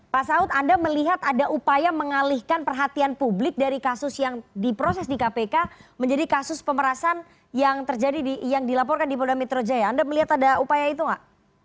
pak saud anda melihat ada upaya mengalihkan perhatian publik dari kasus yang diproses di kpk menjadi kasus pemerasan yang terjadi yang dilaporkan di polda metro jaya anda melihat ada upaya itu nggak